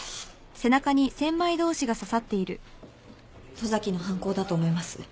十崎の犯行だと思います。